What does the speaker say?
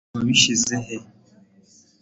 wabishyize he